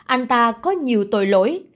anh ta có nhiều tội lỗi